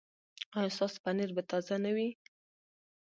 ایا ستاسو پنیر به تازه نه وي؟